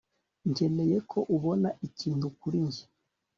nkeneye ko ubona ikintu kuri njye